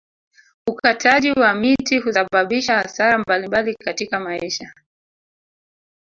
Ukataji wa miti husababisha hasara mbalimbali katika maisha